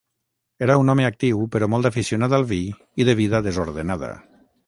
Era un home actiu però molt aficionat al vi i de vida desordenada.